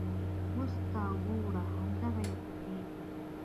اوس ته ګوره همدغه یو سړی دی.